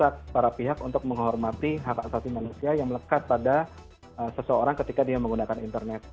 dan juga mendesak para pihak untuk menghormati hak hak sasi manusia yang melekat pada seseorang ketika dia menggunakan internet